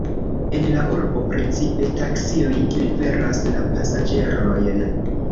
En la urbo precipe taksioj liveras la pasaĝerojn.